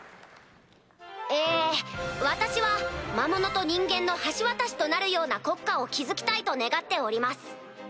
え私は魔物と人間の橋渡しとなるような国家を築きたいと願っております。